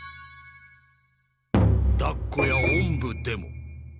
だっこやおんぶでも。